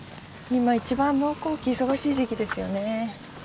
今一番農耕期忙しい時期ですよね。